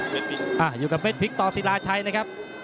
เม็ดพลิกอ่าอยู่กับเม็ดพลิกตศิราชัยนะครับ